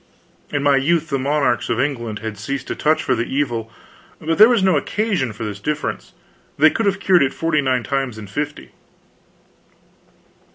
In my youth the monarchs of England had ceased to touch for the evil, but there was no occasion for this diffidence: they could have cured it forty nine times in fifty.